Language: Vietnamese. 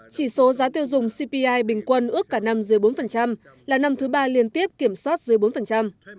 chỉ số giá tiêu dùng cpi bình quân ước cả năm dưới bốn là năm thứ ba liên tiếp kiểm soát dưới bốn